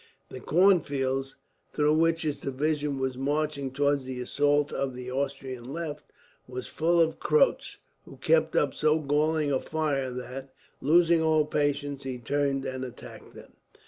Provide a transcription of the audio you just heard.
The corn fields, through which his division was marching towards the assault of the Austrian left, were full of Croats; who kept up so galling a fire that, losing all patience, he turned and attacked them.